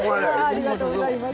ありがとうございます。